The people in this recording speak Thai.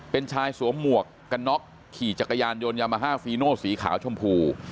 เป็นชายสวมหมวกกันน็อกขี่จักรยานยนต์ยามาฮาฟีโนสีขาวชมพู